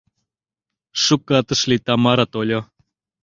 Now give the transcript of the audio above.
Шукат ыш лий, Тамара тольо.